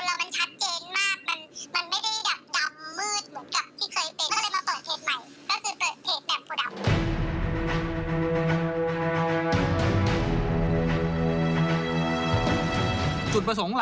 ได้รับข้อมูลอีกจากเหยือที่เขาไม่มีปากมีเสียงอะไรอย่างนี้ค่ะ